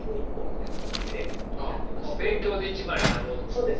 勉強で一番になろうと思ったんですか。